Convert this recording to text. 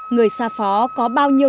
người xa phó có bao nhiêu